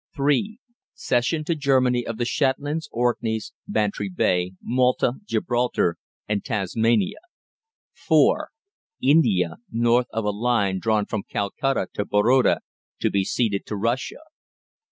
3. Cession to Germany of the Shetlands, Orkneys, Bantry Bay, Malta, Gibraltar, and Tasmania. 4. India, north of a line drawn from Calcutta to Baroda, to be ceded to Russia.